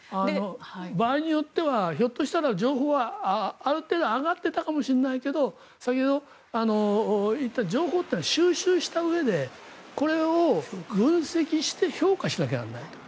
場合によってはひょっとしたら情報はある程度上がっていたかもしれないけど先ほど言った情報というのは収集したうえでこれを分析して評価しなきゃいけないと。